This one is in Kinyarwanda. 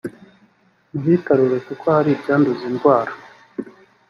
muhitarure kuko hari ibyanduza indwara.